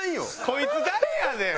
こいつ誰やねん！